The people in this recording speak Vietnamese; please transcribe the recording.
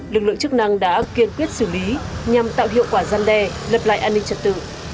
lực lượng chức năng đã kiên quyết xử lý nhằm tạo hiệu quả gian đe lập lại an ninh trật tự